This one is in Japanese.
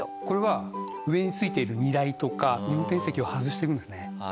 これは上についている荷台とか運転席を外していくんですね。